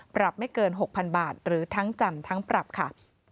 ปรับไม่เกิน๖๐๐๐บาทหรือทั้งจำทั้งปรับค่ะ